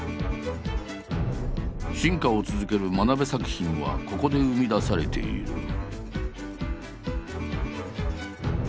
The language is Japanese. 進化を続ける真鍋作品はここで生み出されている。